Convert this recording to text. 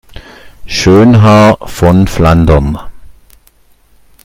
Schönhaar von Flandern.